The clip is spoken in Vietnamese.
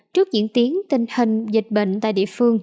trước diễn tiến tình hình dịch bệnh tại địa phương